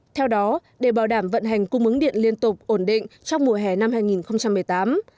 theo đó để bảo đảm vận hành cung ứng điện liên tục ổn định trong mùa hè năm hai nghìn một mươi tám